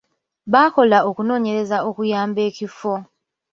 Baakola okunoonyereza okuyamba ekifo.